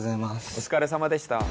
お疲れさまでした。